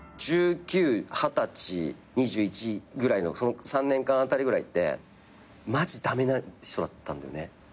１９二十歳２１ぐらいのその３年間辺りぐらいってマジ駄目な人だったんだよね。